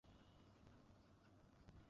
এটা অত্যন্ত গোপনীয়।